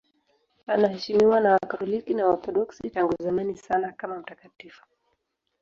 Anaheshimiwa na Wakatoliki na Waorthodoksi tangu zamani sana kama mtakatifu.